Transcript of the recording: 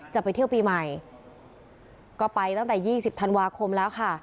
จะไปเที่ยวปีใหม่ก็ไปตั้งแต่๒๐ธันวาคมแล้วค่ะ